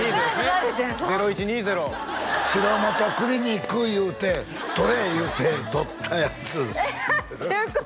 ０１２０城本クリニックいうて撮れいうて撮ったやつえっ？